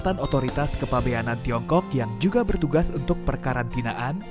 dan otoritas kepabeanan tiongkok yang juga bertugas untuk perkarantinaan